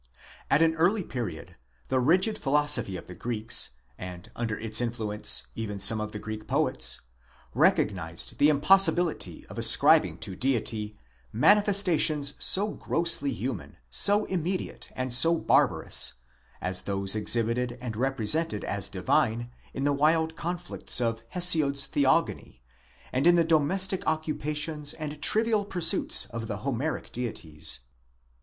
At an early period the _rigid philosophy of the Greeks, and under its influence even some of the Greek poets, recognized the impossibility of ascribing to Deity manifestations so grossly human, so immediate, and so barbarous, as those exhibited and represented as divine in the wild conflicts of Hesiod's Theogony, and in the domestic occupations and trivial pursuits of the Homeric deities.